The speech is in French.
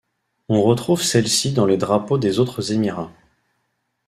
On retrouve celles-ci dans les drapeaux des autres émirats.